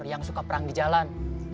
yang suka perang di jalan